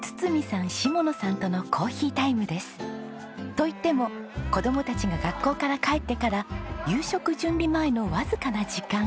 といっても子供たちが学校から帰ってから夕食準備前のわずかな時間。